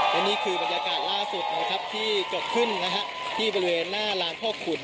และนี่คือบรรยากาศล่าสุดนะครับที่เกิดขึ้นที่บริเวณหน้าลานพ่อขุน